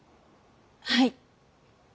はい。